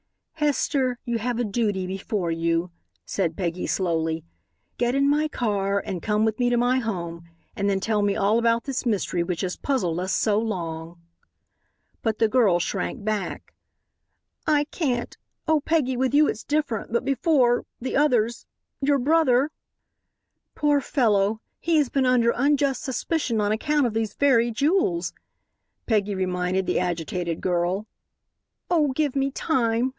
"Hester, you have a duty before you," said Peggy slowly; "get in my car and come with me to my home and then tell me all about this mystery which has puzzled us so long." But the girl shrank back. "I can't. Oh, Peggy, with you it's different, but before, the others. Your brother " "Poor fellow, he has been under unjust suspicion on account of these very jewels," Peggy reminded the agitated girl. "Oh, give me time.